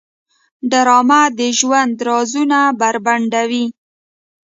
ډرامه د ژوند رازونه بربنډوي